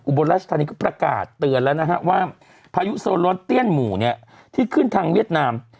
บนราชธานีก็ประกาศเตือนแล้วนะฮะว่าพายุโซร้อนเตี้ยนหมู่เนี่ยที่ขึ้นทางเวียดนาม